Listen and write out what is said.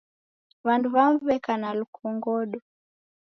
W'andu w'amu w'eka na lukongodo.